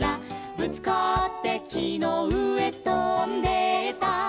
「ぶつかってきのうえとんでった」